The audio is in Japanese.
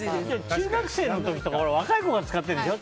中学生の時とか若い子が使ってるんでしょ。